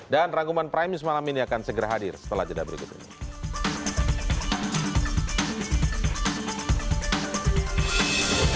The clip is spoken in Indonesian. dan rangkuman prime news malam ini akan segera hadir setelah jeda berikut ini